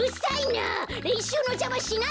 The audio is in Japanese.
れんしゅうのじゃましないでよ！